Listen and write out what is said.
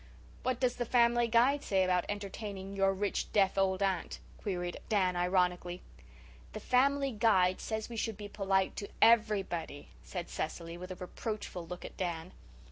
"What does the Family Guide say about entertaining your rich, deaf old aunt?" queried Dan ironically. "The Family Guide says we should be polite to EVERYBODY," said Cecily, with a reproachful look at Dan.